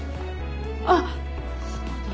あっそうだ。